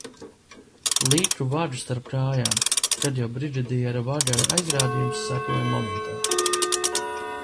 Liku vagu starp kājām, kad jau brigadiera-vagara aizrādījums sekoja momentā.